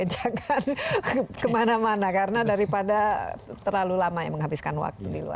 jangan kemana mana karena daripada terlalu lama ya menghabiskan waktu di luar